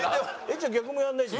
じゃあ逆もやんないと。